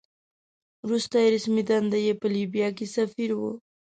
وروستۍ رسمي دنده یې په لیبیا کې سفیر وه.